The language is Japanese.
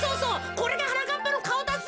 これがはなかっぱのかおだぜ。